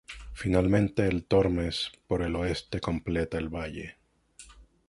Finalmente el Tormes por el oeste completa el valle.